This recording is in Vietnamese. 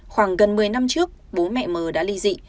khoảng gần một mươi năm trước bố mẹ mờ đã ly dị